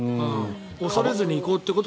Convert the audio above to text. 恐れずに行こうってこと？